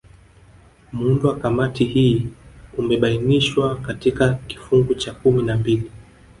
Muundo wa Kamati hii umebainishwa katika kifungu cha kumi na mbili